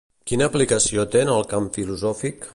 Quina aplicació té en el camp filosòfic?